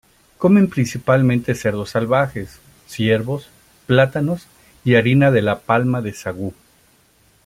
Comen principalmente cerdos salvajes, ciervos, plátanos y harina de la palma de sagú.